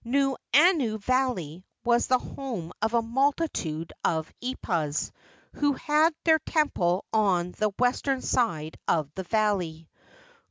Nuuanu Valley was the home of a multitude of eepas who had their temple on the western side of the valley.